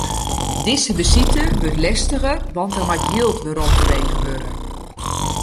Dizze besite wurdt lestiger, want der moat jild weromfrege wurde.